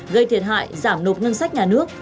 gây thiệt hại giảm nộp ngân sách nhà nước